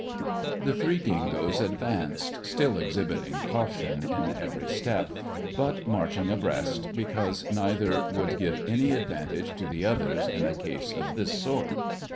The three dingoes advanced, still exhibiting caution in every step, but marching abreast, because neither would give any advantage to the others in a case of this sort.